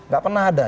gak pernah ada